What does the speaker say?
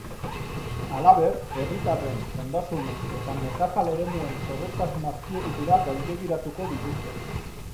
Halaber, herritarren, ondasunen eta nekazal-eremuen segurtasun-azpiegiturak gainbegiratuko dituzte.